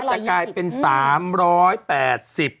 ก็จะกลายเป็น๓๘๐ใช่